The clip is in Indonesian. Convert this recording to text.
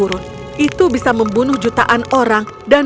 mungkin dia membeli kekuatan yang lain